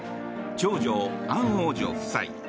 長女アン王女夫妻